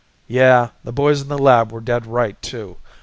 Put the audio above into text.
"Yeah. The boys in the lab were dead right, too.